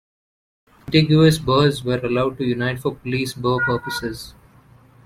Contiguous burghs were allowed to unite for police burgh purposes.